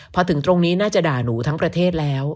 พอถึงตรงนี้น่าจะด่าหนูทั้งประเทศแล้ว